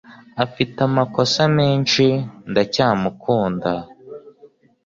Afite amakosa menshi. Ndacyamukunda.